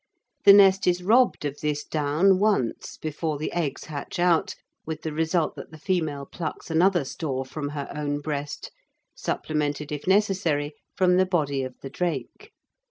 The nest is robbed of this down once before the eggs hatch out, with the result that the female plucks another store from her own breast, supplemented if necessary from the body of the drake.